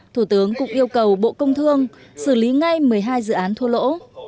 thủ tướng cũng yêu cầu bộ công thương xử lý ngay một mươi hai dự án thua lỗ